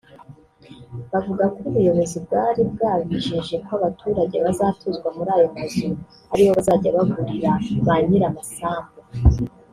Bavuga ko ubuyobozi bwari bwabijeje ko abaturage bazatuzwa muri ayo mazu aribo bazajya baguranira ba nyir’amasambu